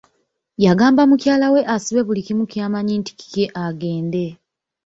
Yagamba mukyala we asibe buli kimu ky'amanyi nti kikye agende.